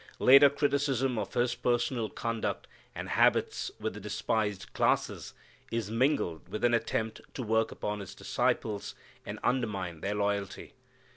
Later criticism of His personal conduct and habits with the despised classes is mingled with an attempt to work upon His disciples and undermine their loyalty.